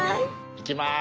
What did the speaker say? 行きます！